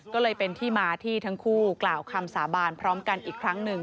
ก็เลยเป็นที่มาที่ทั้งคู่กล่าวคำสาบานพร้อมกันอีกครั้งหนึ่ง